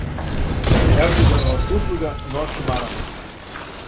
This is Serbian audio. Ердоганова супруга носи мараму.